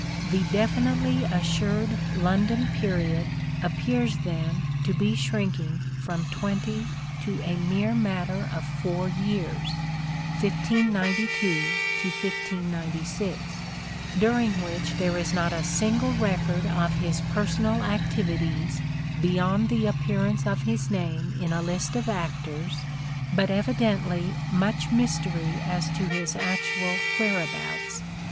The definitely assured London period appears then to be shrinking from twenty to a mere matter of four years (1592 1596), during which there is not a single record of his personal activities beyond THE STRATFORDIAN VIEW 61 the appearance of his name in a list of actors, but evidently much mystery as to his actual whereabouts.